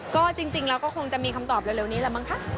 ก็จริงแล้วก็คงจะมีคำตอบเร็วนี้แหละมั้งคะ